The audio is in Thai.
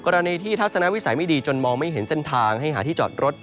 กรณีที่ทัศนวิสัยไม่ดีจนมองไม่เห็นเส้นทางให้หาที่จอดรถ